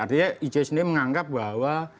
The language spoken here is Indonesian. artinya icsd menganggap bahwa